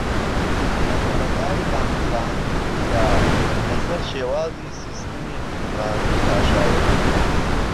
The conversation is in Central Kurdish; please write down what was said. لە سەرەتای دامەزراندنییدا لەسەر شێوازی سیستمی حوکمڕانی پاشایەتی بوو